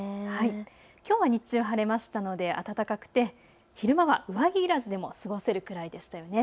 きょうは日中晴れましたので暖かくて昼間は上着いらずでも過ごせるくらいでしたよね。